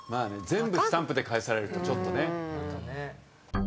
全部スタンプで返されるとちょっとね。